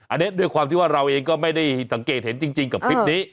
อันนี้ด้วยความที่ว่าเราเองก็ไม่ได้สังเกตเห็นจริงกับคลิปนี้